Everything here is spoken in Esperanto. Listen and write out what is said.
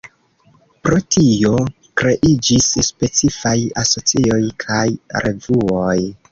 Pro tio, kreiĝis specifaj asocioj kaj revuoj.